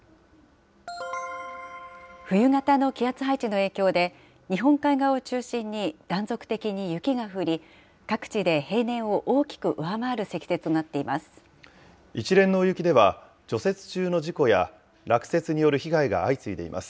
冬型の気圧配置の影響で、日本海側を中心に断続的に雪が降り、各地で平年を大きく上回る積雪となっています。